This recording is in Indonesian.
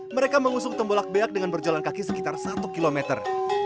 mereka mengusung tembolak beak dengan berjalan kaki sekitar satu kilometer